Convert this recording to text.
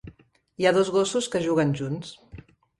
Hi ha dos gossos que juguen junts.